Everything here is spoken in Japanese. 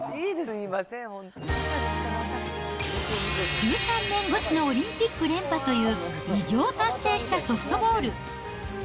１３年越しのオリンピック連覇という偉業を達成したソフトボール。